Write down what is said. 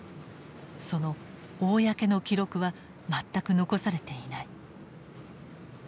その公の記録は全く残されていない。